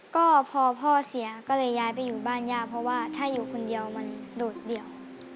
ก็พอพ่อเสียก็เลยย้ายไปอยู่บ้านย่าเพราะว่าถ้าอยู่คนเดียวมันโดดเดี่ยว